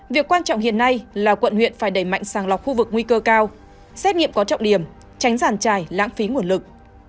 việc quan trọng hiện nay là quận huyện phải đẩy mạnh sàng lọc khu vực nguy cơ cao xét nghiệm có trọng điểm tránh giàn trải lãng phí nguồn lực